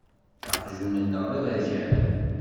Aqjun-nneɣ d aberkan.